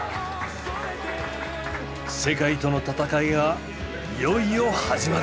世界との戦いがいよいよ始まる。